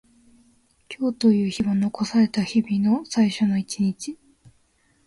今日という日は残された日々の最初の一日。